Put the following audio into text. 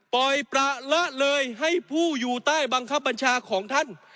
ปล่อยประละเลยให้ผู้อยู่ใต้บังคับบัญชาของท่าน